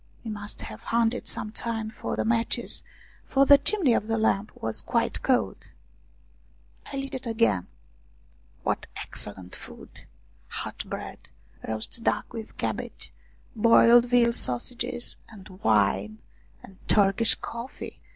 We must have hunted some time for the matches, for the chimney of the lamp was quite cold. I lit it again. What excellent food ! Hot bread, roast duck with cabbage, boiled veal sausages, and wine ! And Turkish coffee